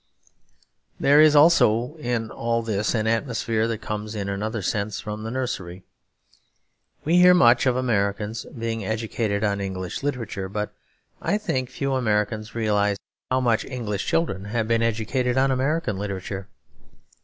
There is also in all this an atmosphere that comes in another sense from the nursery. We hear much of Americans being educated on English literature; but I think few Americans realise how much English children have been educated on American literature.